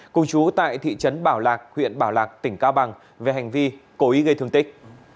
cùng chú tại thị trấn bảo lạc huyện bảo lạc tỉnh cao bằng về hành vi cố ý gây thương tích